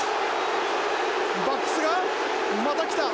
バックスがまたきた。